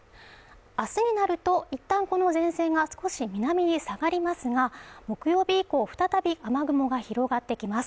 明日になると、一旦この前線が少し南へ下がりますが、木曜日以降再び雨雲が広がってきます